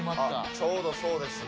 ちょうどそうですね。